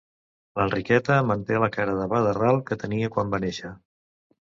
L'Enriqueta manté la cara de pa de ral que tenia quan va néixer.